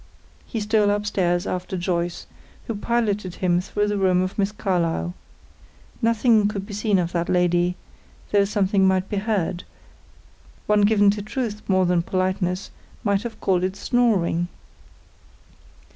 He stole upstairs after Joyce, who piloted him through the room of Miss Carlyle. Nothing could be seen of that lady, though something might be heard, one given to truth more than politeness might have called it snoring.